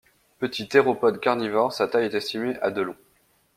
Petit théropode carnivore, sa taille est estimée à de long.